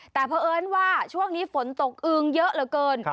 แต่เพราะเอิญว่าช่วงนี้ฝนตกอึงเยอะเหลือเกิน